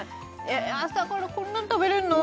朝からこんなの食べれるの？